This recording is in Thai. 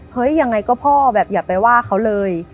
เฮ้ยยังไงก็พ่ออย่าไปว่าเขาเลย